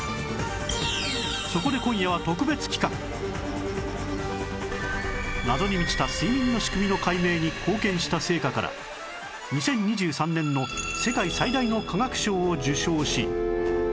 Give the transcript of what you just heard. そこで謎に満ちた睡眠の仕組みの解明に貢献した成果から２０２３年の世界最大の科学賞を受賞し